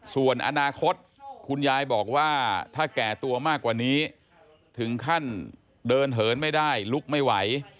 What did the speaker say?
ส่วนอนาคตคุณยายบอกว่าถ้าแก่ตัวมากกว่านี้ถึงขั้นเดินเหินไม่ได้ลุกไม่ไหว